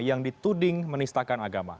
yang dituding menistakan agama